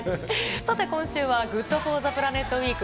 さて今週は、ＧｏｏｄＦｏｒｔｈｅＰｌａｎｅｔウイーク。